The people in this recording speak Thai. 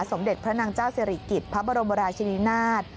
สมเด็จพระนางเจ้าสิริกิจพระบรมราชินินาศ